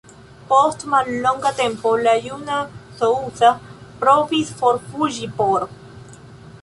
Post mallonga tempo, la juna Sousa provis forfuĝi por.